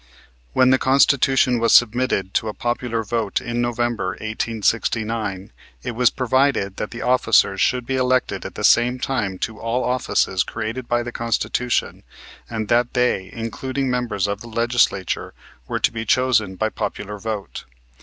When the Constitution was submitted to a popular vote in November, 1869, it was provided that officers should be elected at the same time to all offices created by the Constitution and that they, including members of the Legislature, were to be chosen by popular vote.